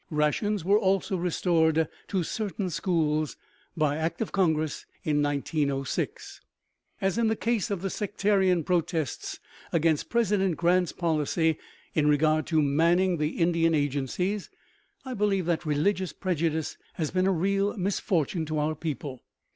Rations were also restored to certain schools by act of Congress in 1906. As in the case of the sectarian protests against President Grant's policy in regard to manning the Indian agencies, I believe that religious prejudice has been a real misfortune to our people.